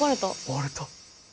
割れた。